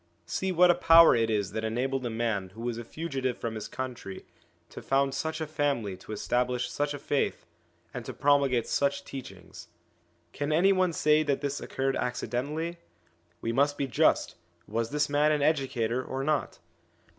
See what a power it is that enabled a man who was a fugitive from his country to found such a family to establish such a faith, and to promulgate such teachings. Can any one say that this occurred ac cidentally ? We must be just : was this man an educator or not